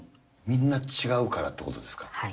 みんな違うからということですか。